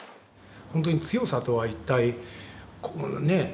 本当に強さとは一体ねぇ。